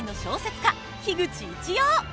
家口一葉。